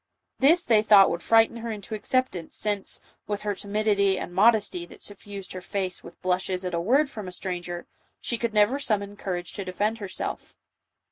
This they thought would frighten her into acceptance, since, with her timidity and mod esty that suffused her face with blushes at a word from a stranger, she could never summon courage to defend herself.